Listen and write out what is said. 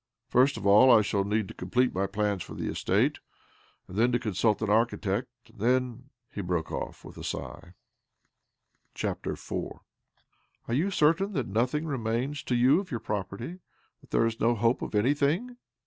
"First of all I shall need to com plete my plans for the estate^ and then to consult an architect; and then, and then ——" He broke off with a sigh. IV " Are you certain that nothing remains to you of your property — that there is no hope of anything?